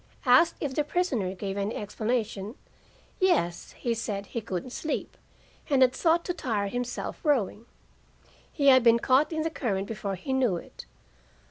Asked if the prisoner gave any explanation yes, he said he couldn't sleep, and had thought to tire himself rowing. Had been caught in the current before he knew it.